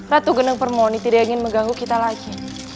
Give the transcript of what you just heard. ratu geneng permoni tidak ingin mengganggu kita lagi